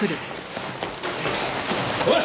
おい！